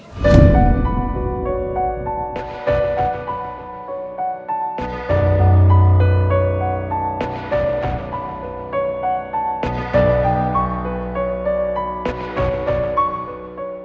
jangan ganggu right